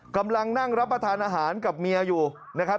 กำลังนั่งรับประทานอาหารกับเมียอยู่นะครับ